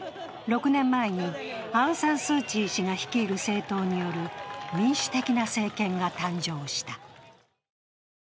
６年前に、アウン・サン・スー・チー氏が率いる政党による民主的な政権が誕生した。